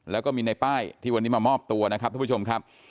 แล้วก็มีในป้ายที่วันนี้มามอบตัวนะครับทุกผู้ชมครับ